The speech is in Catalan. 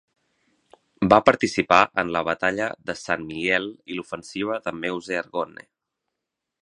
Va participar en la Batalla de Saint-Mihiel i l'Ofensiva de Meuse-Argonne.